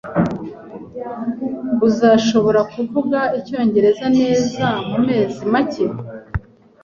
Uzashobora kuvuga icyongereza neza mumezi make.